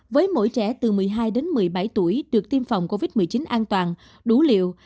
với mỗi trẻ từ một mươi hai đến một mươi bảy tuổi được tiêm phòng covid một mươi chín an toàn đủ liều